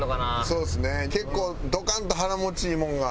そうですね結構ドカンと。